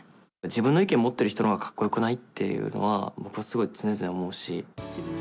自分の意見持っている人のほうがかっこよくないっていうのは僕はすごい常々思うし。